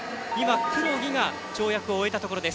黒木が跳躍を終えたところです。